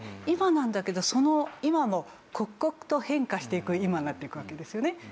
今なんだけどその今の刻々と変化していく今になっていくわけですよね。